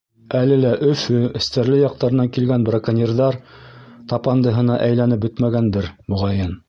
Әле лә Өфө, Стәрле яҡтарынан килгән браконьерҙар тапандыһына әйләнеп бөтмәгәндер, моғайын.